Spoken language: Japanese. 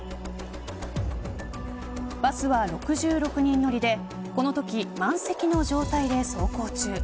バスは６６人乗りでこのとき満席の状態で走行中。